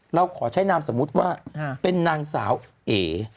เราขอใช้นามสมมุติว่าเป็นนางสาวเอ